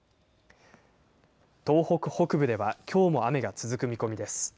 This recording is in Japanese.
東北北部ではきょうも雨が続く見込みです。